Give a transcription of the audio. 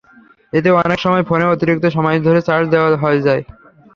এতে অনেক সময় ফোনে অতিরিক্ত সময় ধরে চার্জ দেওয়া হয়ে যায়।